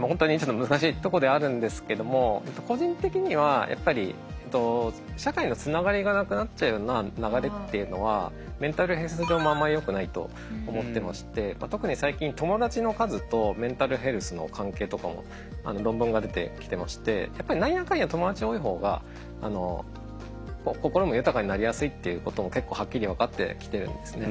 本当にちょっと難しいとこではあるんですけども個人的にはやっぱり社会のつながりがなくなっちゃうような流れっていうのはメンタルヘルス上もあんまりよくないと思ってまして特に最近友達の数とメンタルヘルスの関係とかも論文が出てきてましてやっぱり何やかんや友達多い方が心も豊かになりやすいっていうことも結構はっきり分かってきてるんですね。